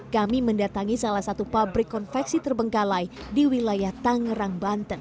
kami mendatangi salah satu pabrik konveksi terbengkalai di wilayah tangerang banten